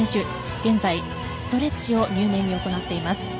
現在ストレッチを入念に行っています。